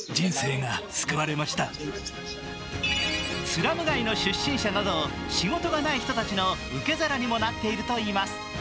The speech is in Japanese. スラム街の出身者など仕事がない人たちの受け皿にもなっているといいます。